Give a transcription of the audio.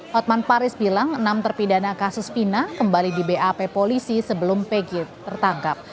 hotman paris bilang enam terpidana kasus pina kembali di bap polisi sebelum pg tertangkap